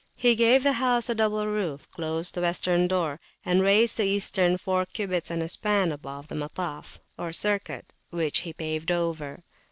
He gave the house a double roof, closed the western door, and raised the eastern four cubits and a span above the Mataf, or circuit, which he paved over.